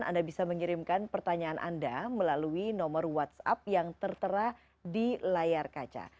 anda bisa mengirimkan pertanyaan anda melalui nomor whatsapp yang tertera di layar kaca